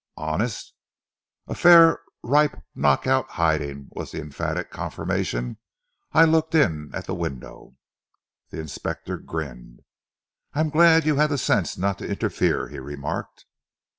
"Honest?" "A fair, ripe, knock out hiding," was the emphatic confirmation. "I looked in at the window." The inspector grinned. "I'm glad you had the sense not to interfere," he remarked.